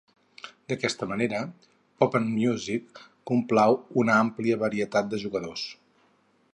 D'aquesta manera, Pop'n Music complau una àmplia varietat de jugadors.